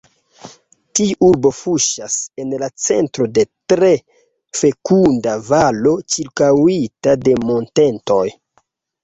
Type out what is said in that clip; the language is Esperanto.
Tiu urbo kuŝas en la centro de tre fekunda valo ĉirkaŭita de montetoj.